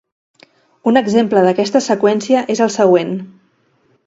Un exemple d'aquesta seqüència és el següent.